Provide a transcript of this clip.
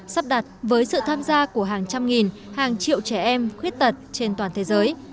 sắp đặt với sự tham gia của hàng trăm nghìn hàng triệu trẻ em khuyết tật trên toàn thế giới